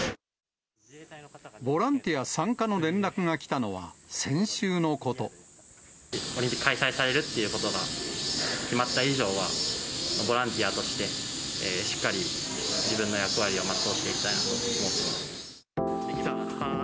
ボランティア参加の連絡が来オリンピック開催されるっていうことが決まった以上は、ボランティアとして、しっかり、自分の役割を全うしていきたいなと思っています。